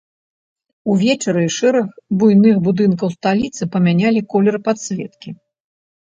Увечары шэраг буйных будынкаў сталіцы памянялі колер падсветкі.